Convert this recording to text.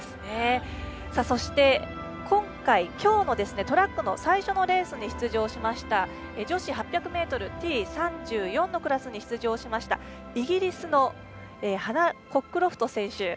そして今日のトラックの最初のレースに出場した女子８００ｍＴ３４のクラスに出場しましたイギリスのハナ・コックロフト選手